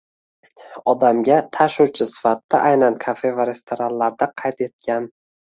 Odamga tashuvchi sifatida aynan kafe va restoranlarda qayd etgan.